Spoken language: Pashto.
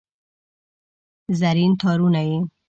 زرین تارونه یې